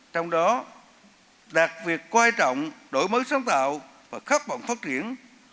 trong đó đạt việc quan trọng đổi mới sáng tạo và khắc mộng phát triển